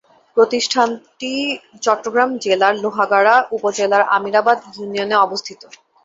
প্রতিষ্ঠানটি চট্টগ্রাম জেলার লোহাগাড়া উপজেলার আমিরাবাদ ইউনিয়নে অবস্থিত।